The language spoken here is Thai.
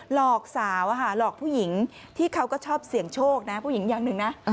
หลอกสาวและหลอกผู้หญิงที่เขาก็ชอบเสียงโชคนะพวกวิธีนี้อย่างนึงนะ